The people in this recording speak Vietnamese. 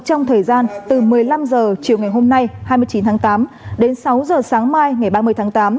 trong thời gian từ một mươi năm h chiều ngày hôm nay hai mươi chín tháng tám đến sáu h sáng mai ngày ba mươi tháng tám